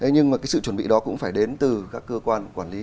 nhưng mà cái sự chuẩn bị đó cũng phải đến từ các cơ quan quản lý